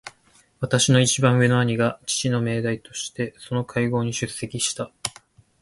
私の一番上の兄が父の名代としてその会合に出席した。